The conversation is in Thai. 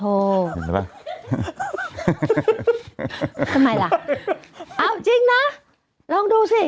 เห็นไหมทำไมล่ะเอาจริงนะลองดูสิ